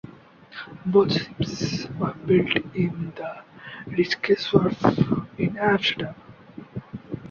Both ships were built at the "Rijkswerf" in Amsterdam.